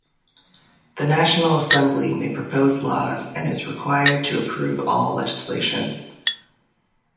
The National Assembly may propose laws and is required to approve all legislation.